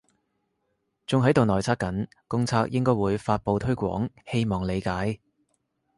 仲喺度內測緊，公測應該會發佈推廣，希望理解